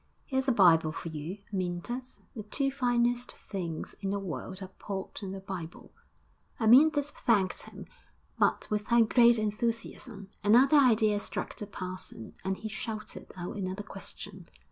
'Here's a Bible for you, Amyntas. The two finest things in the world are port and the Bible.' Amyntas thanked him, but without great enthusiasm. Another idea struck the parson, and he shouted out another question.